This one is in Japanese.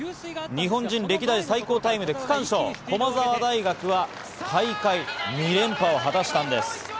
日本人歴代最高タイムで区間賞、駒澤大学は大会２連覇を果たしたんです。